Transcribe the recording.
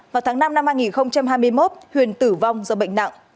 vào tháng năm năm hai nghìn hai mươi một huyền tử vong do bệnh nặng